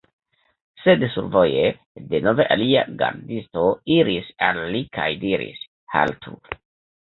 Sed survoje, denove alia gardisto iris al li kaj diris: "Haltu